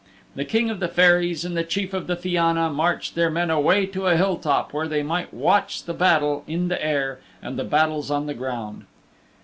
The King of the Fairies and the Chief of the Fianna marched their men away to a hill top where they might watch the battle in the air and the battles on the ground.